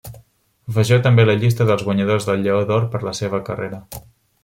Vegeu també la llista dels guanyadors del Lleó d'Or per la seva carrera.